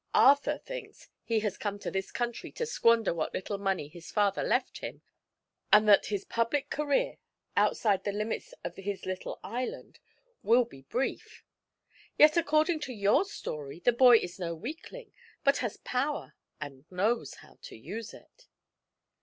Arthur thinks he has come to this country to squander what little money his father left him and that his public career outside the limits of his little island will be brief. Yet according to your story the boy is no weakling but has power and knows how to use it."